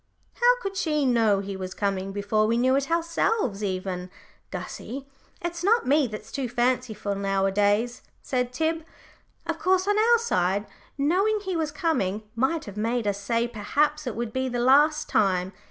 "How could she know he was coming before we knew it ourselves, even? Gussie, it's not me that's too fanciful nowadays," said Tib. "Of course, on our side, knowing he was coming might have made us say perhaps it would be the last time.